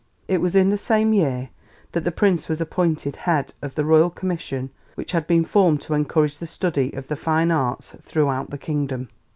It was in the same year that the Prince was appointed Head of the Royal Commission which had been formed to encourage the study of the Fine Arts throughout the kingdom.